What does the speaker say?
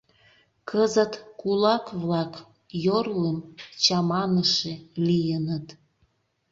Кызыт кулак-влак йорлым «чаманыше» лийыныт.